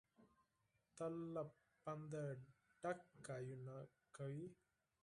تل له پنده ډکې خبرې کوي.